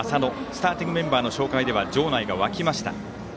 スターティングメンバーの紹介では場内が沸きました。